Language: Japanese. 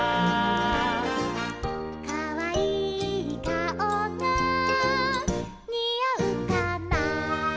「かわいい顔がにあうかな」